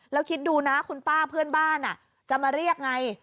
แล้วคิดดูนะคุณป้าเพื่อนบ้านจะมาเรียกไง